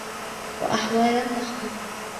وَأَحْوَالًا ضَخْمَةً